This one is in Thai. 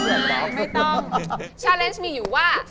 ชัลเล่นต์ชังมีอยู่ว่า